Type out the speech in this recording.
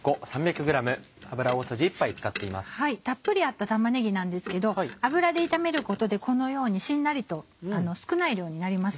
たっぷりあった玉ねぎなんですけど油で炒めることでこのようにしんなりと少ない量になります。